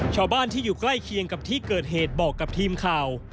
ชาวบ้านที่อยู่ใกล้เคียงกับที่เกิดเหตุบอกกับทีมข่าว